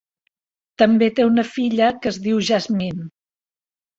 També té una filla que es diu Jazmine.